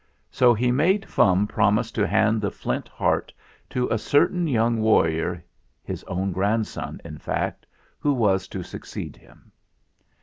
So he made Fum promise to hand the Flint Heart to a certain young warrior his own grandson, in fact who was to succeed him.